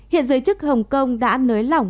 hiện giới chức hồng kông đã nới lỏng